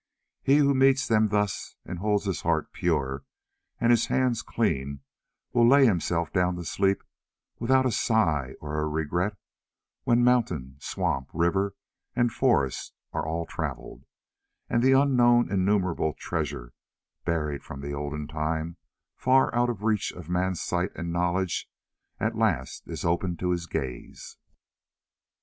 He who meets them thus and holds his heart pure and his hands clean will lay himself down to sleep without a sigh or a regret when mountain, swamp, river, and forest all are travelled, and the unknown innumerable treasure, buried from the olden time far out of reach of man's sight and knowledge, at last is opened to his gaze.